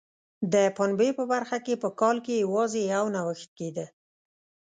د پنبې په برخه کې په کال کې یوازې یو نوښت کېده.